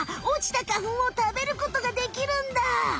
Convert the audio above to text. おちた花ふんを食べることができるんだ！